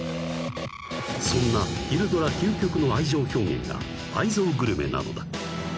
［そんな昼ドラ究極の愛情表現が愛憎グルメなのだ］